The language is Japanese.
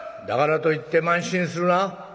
「だからといって慢心するな」。